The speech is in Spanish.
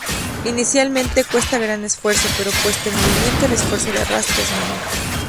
Inicialmente, cuesta gran esfuerzo, pero puesto en movimiento, el esfuerzo de arrastre es menor.